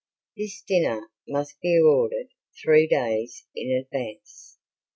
This dinner must be ordered three days in advance.